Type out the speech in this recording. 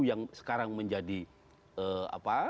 yang sekarang menjadi apa